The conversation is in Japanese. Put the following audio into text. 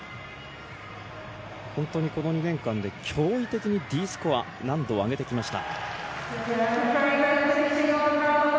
この２年間で驚異的にＤスコア難度を上げてきました。